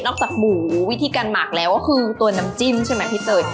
จากหมูวิธีการหมักแล้วก็คือตัวน้ำจิ้มใช่ไหมพี่เตย